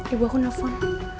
ibu aku nelfon